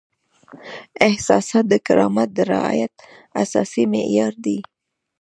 احساسات د کرامت د رعایت اساسي معیار دی.